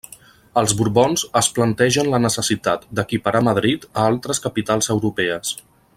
Els Borbons es plantegen la necessitat d'equiparar Madrid a altres capitals europees.